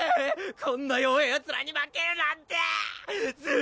こんな弱ぇヤツらに負けるなんてぜ